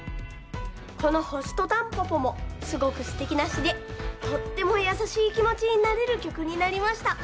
この「星とたんぽぽ」もすごくすてきなしでとってもやさしいきもちになれるきょくになりました。